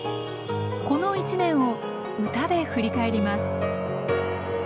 この一年を歌で振り返ります